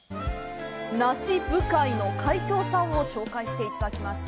梨部会の会長さんを紹介していただきます。